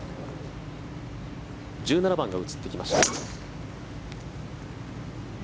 １７番が映ってきました。